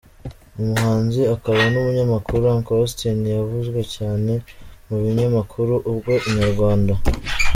Umuhanzi akaba n’umunyamakuru Uncle Austin, yavuzwe cyane mu binyamakuru ubwo Inyarwanda.